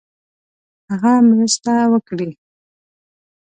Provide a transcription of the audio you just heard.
هغه مرسته وکړي.